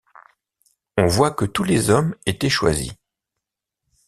On voit que tous les hommes étaient choisis.